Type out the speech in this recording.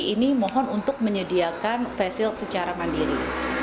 ini mohon untuk menyediakan face shield secara mandiri